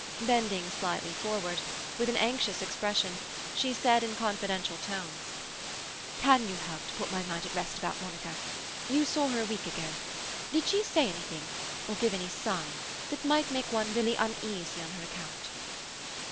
Bending slightly forward, with an anxious expression, she said in confidential tones— "Can you help to put my mind at rest about Monica? You saw her a week ago. Did she say anything, or give any sign, that might make one really uneasy on her account?"